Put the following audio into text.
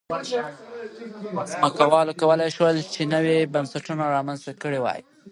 ځمکوالو کولای شول چې نوي بنسټونه رامنځته کړي وای.